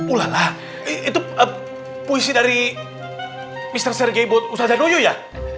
ulala itu puisi dari mr sergei bout ustazanuyo ya